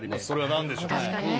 それは何でしょう。